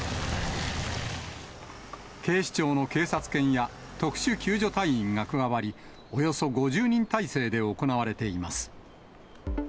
警視庁の警察犬や特殊救助隊員が加わり、およそ５０人態勢で行われています。